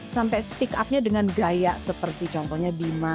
sampai speak up nya dengan gaya seperti contohnya bima